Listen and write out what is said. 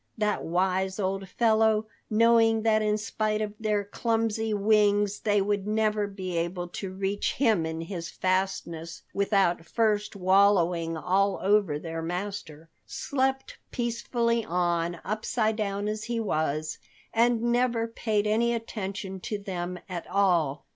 That wise old fellow, knowing that in spite of their clumsy wings, they would never be able to reach him in his fastness without first wallowing all over their master, slept peacefully on, upside down as he was, and never paid any attention to them at all.